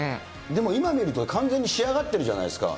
でも今見ると、完全に仕上がってるじゃないですか。